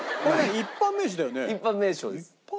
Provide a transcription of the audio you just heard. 一般名称です。